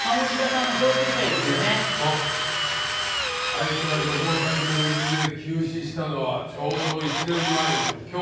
あいつが旅行先の伊豆で急死したのはちょうど１年前の今日だ。